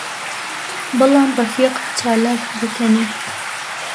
بەڵام ڕەفیق چالاک گوتەنی: